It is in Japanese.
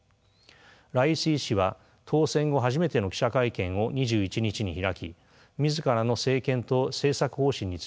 ライシ師は当選後初めての記者会見を２１日に開き自らの政権と政策方針について語りました。